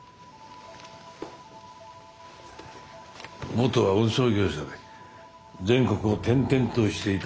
元は運送業者で全国を転々としていたようです。